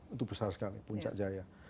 itu besar sekali puncak jaya